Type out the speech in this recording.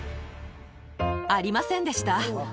ありませんでした。